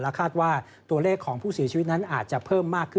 คาดว่าตัวเลขของผู้เสียชีวิตนั้นอาจจะเพิ่มมากขึ้น